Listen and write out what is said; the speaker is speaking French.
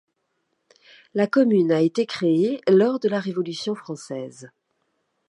La commune a été créée lors de la Révolution française.